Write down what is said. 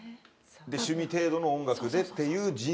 で趣味程度の音楽でっていう人生になってた。